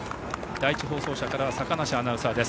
第１放送車からは坂梨アナウンサーです。